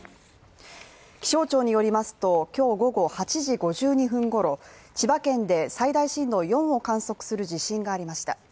気象庁によりますと今日午後８時５２分ごろ千葉県で最大震度４を観測する地震がありました。